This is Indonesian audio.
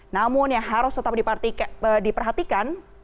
namun yang harus tetap diperhatikan